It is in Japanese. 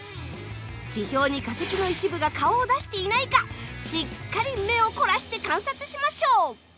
地表に化石の一部が顔を出していないかしっかり目を凝らして観察しましょう。